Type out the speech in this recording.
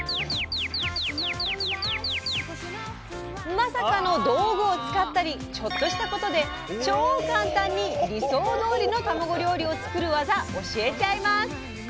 まさかの道具を使ったりちょっとしたことで超簡単に理想どおりのたまご料理を作る技教えちゃいます！